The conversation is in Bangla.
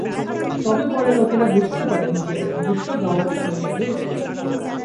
তবে পরে লোকেরা বুঝতে পারেন যে তার নিজস্ব গাওয়ার শৈলী রয়েছে।